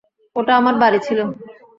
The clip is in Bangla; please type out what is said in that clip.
ওটা আমার বাড়ি ছিলো।